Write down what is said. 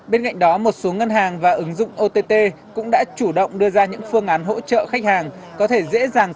bên cạnh đó một số ngân hàng và ứng dụng ott cũng đã chủ động đưa ra những phương án hỗ trợ khách hàng